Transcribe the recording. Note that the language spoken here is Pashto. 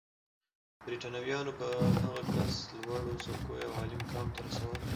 برېټانویانو به هغه کسان لوړو څوکیو او عالي مقام ته رسول.